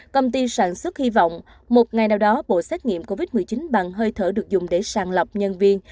công ty sản xuất hy vọng một ngày nào đó bộ xét nghiệm covid một mươi chín bằng hơi thở được dùng để sàng lọc nhân viên